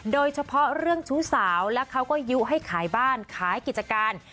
โดยเฉพาะเรื่องชู้สาวแล้วเขาก็ยุให้ขายบ้านขายกิจการ